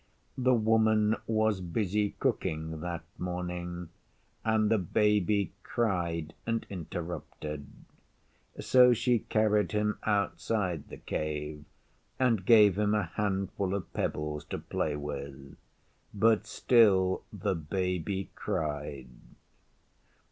The Woman was busy cooking that morning, and the Baby cried and interrupted. So she carried him outside the Cave and gave him a handful of pebbles to play with. But still the Baby cried.